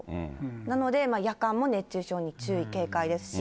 なので、夜間も熱中症に注意、警戒ですし、